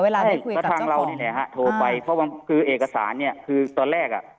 เวลาไม่คุยกับเจ้าของใช่ก็ทางเรานี่แหละฮะโทรไปเพราะว่าคือเอกสารเนี้ยคือตอนแรกอะ